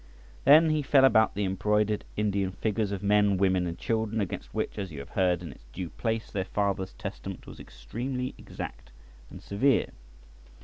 Then he fell about the embroidered Indian figures of men, women, and children, against which, as you have heard in its due place, their father's testament was extremely exact and severe.